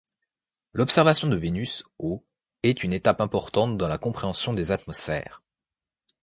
L'observation de Vénus au est une étape importante dans la compréhension des atmosphères.